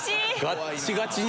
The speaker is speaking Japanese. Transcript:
ガッチガチに。